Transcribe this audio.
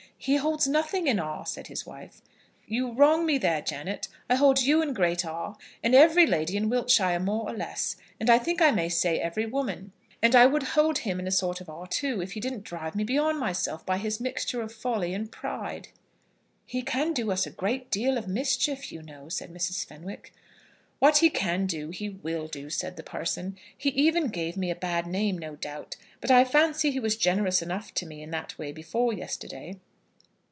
"He holds nothing in awe," said the wife. "You wrong me there, Janet. I hold you in great awe, and every lady in Wiltshire more or less; and I think I may say every woman. And I would hold him in a sort of awe, too, if he didn't drive me beyond myself by his mixture of folly and pride." "He can do us a great deal of mischief, you know," said Mrs. Fenwick. "What he can do, he will do," said the parson. "He even gave me a bad name, no doubt; but I fancy he was generous enough to me in that way before yesterday.